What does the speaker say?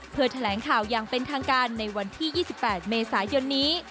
เพื่อแถลงข่าวอย่างเป็นทางการในวันที่๒๘เมษายนนี้